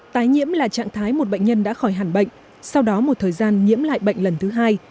tái nhiễm là trạng thái một bệnh nhân đã khỏi hẳn bệnh sau đó một thời gian nhiễm lại bệnh lần thứ hai